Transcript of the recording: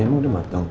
emang udah matang